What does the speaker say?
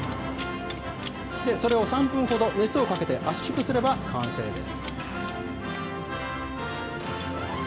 それを３分ほど熱をかけて圧縮すれば完成です。